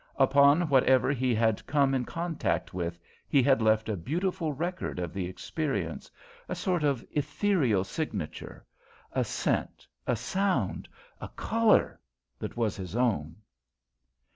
Upon whatever he had come in contact with, he had left a beautiful record of the experience a sort of ethereal signature; a scent, a sound, a colour that was his own.